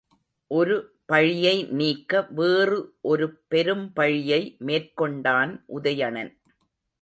ஒரு பழியை நீக்க வேறு ஒரு பெரும் பழியை மேற்கொண்டான் உதயணன்.